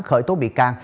khởi tố bị can